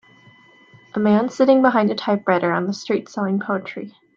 A man sitting behind a typewriter on the street selling poetry